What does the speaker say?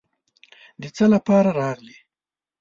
د څه لپاره راغلې.